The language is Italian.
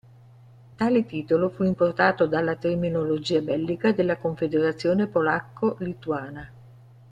Tale titolo fu importato dalla terminologia bellica della Confederazione Polacco-Lituana.